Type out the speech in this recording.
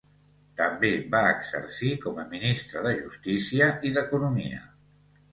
També va exercir com a ministre de justícia i d'economia.